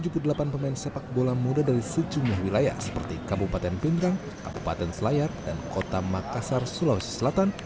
tujuh puluh delapan pemain sepak bola muda dari sejumlah wilayah seperti kabupaten pindrang kabupaten selayar dan kota makassar sulawesi selatan